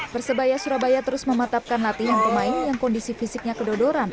persebaya surabaya terus mematapkan latihan pemain yang kondisi fisiknya kedodoran